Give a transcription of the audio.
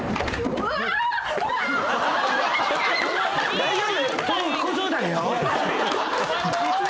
・大丈夫？